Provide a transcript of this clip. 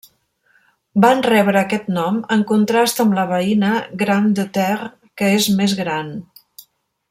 Van rebre aquest nom en contrast amb la veïna Grande-Terre que és més gran.